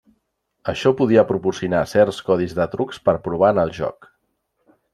Això podia proporcionar certs codis de trucs per provar en el joc.